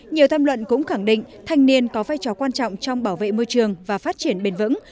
nhiều tham luận cũng khẳng định thanh niên có vai trò quan trọng trong bảo vệ môi trường và phát triển bền vững